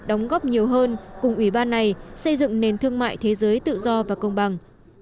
đóng góp nhiều hơn cùng ủy ban này xây dựng nền thương mại thế giới tự do và công bằng